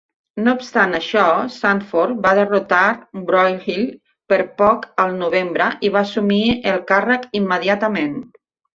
No obstant això, Sanford va derrotar Broyhill per poc al novembre i va assumir el càrrec immediatament.